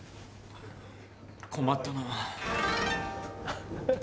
困ったな。